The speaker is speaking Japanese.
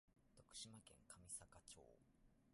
徳島県上板町